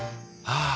ああ。